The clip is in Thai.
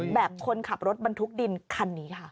คนขับรถบรรทุกดินคันนี้ค่ะ